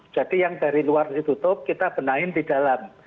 jadi yang dari luar ditutup kita benahin di dalam